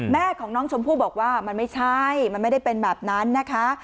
แม่ของน้องชมพู่บอกว่ามันไม่ใช่มันไม่ได้เป็นแบบนั้นนะคะ